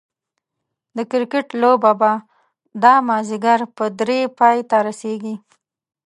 د کرکټ لوبه به دا ماځيګر په دري پايي ته رسيږي